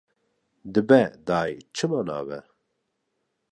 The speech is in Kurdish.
Dibe, dayê, çima nabe